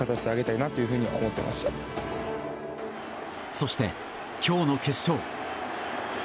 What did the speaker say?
そして、今日の決勝。